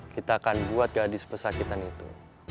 kita akan buat gadis pesakitan itu